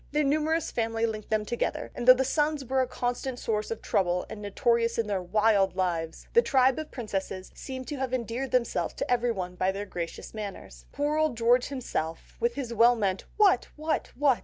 Their numerous family linked them together, and though the sons were a constant source of trouble and notorious in their wild lives, the tribe of princesses seem to have endeared themselves to everyone by their gracious manners. Poor old George himself, with his well meant, "What? What? What?"